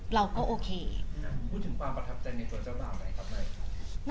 เราก็โอเคพูดถึงความประทับใจในตัวเจ้าบ่าวไหมครับนาย